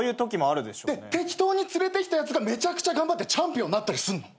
で適当に連れてきたやつがめちゃくちゃ頑張ってチャンピオンなったりすんの。